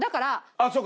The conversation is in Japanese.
ああそうか。